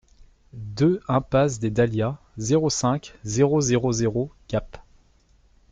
deux impasse des Dahlias, zéro cinq, zéro zéro zéro Gap